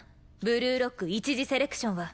ブルーロック一次セレクションは。